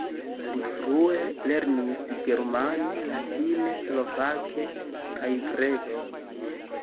Li frue lernis germane, latine, slovake kaj greke.